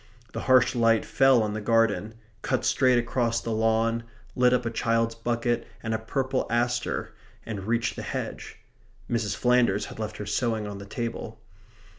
The harsh light fell on the garden; cut straight across the lawn; lit up a child's bucket and a purple aster and reached the hedge. Mrs. Flanders had left her sewing on the table.